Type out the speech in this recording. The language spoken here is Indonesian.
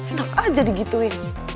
enak aja di gituin